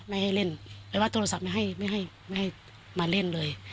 ไม่ว่าโทรศัพท์ไม่ให้มาเล่นเลย